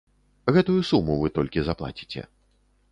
Гэтую суму вы толькі заплаціце.